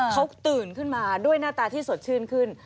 เขาตื่นขึ้นมาด้วยหน้าตาที่สดชื่นขึ้น